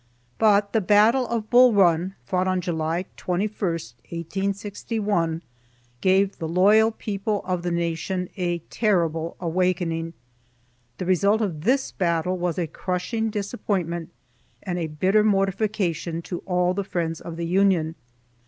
But the battle of Bull Run, fought on July 21, 1861, gave the loyal people of the Nation a terrible awakening. The result of this battle was a crushing disappointment and a bitter mortification to all the friends of the Union.